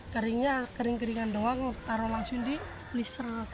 keringnya kering keringan doang taruh langsung di pleaser